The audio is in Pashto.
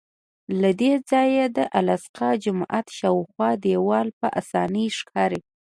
له دې ځایه د الاقصی جومات شاوخوا دیوال په اسانۍ ښکاري.